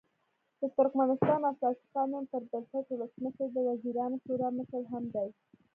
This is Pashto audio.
د ترکمنستان اساسي قانون پر بنسټ ولسمشر د وزیرانو شورا مشر هم دی.